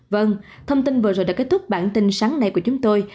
vâng thông tin vừa rồi đã kết thúc bản tin sáng nay của chúng tôi